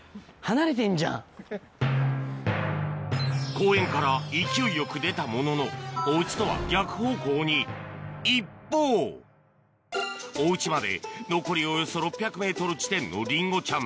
公園から勢いよく出たもののおウチとは逆方向に一方おウチまで残りおよそ６００ｍ地点のリンゴちゃん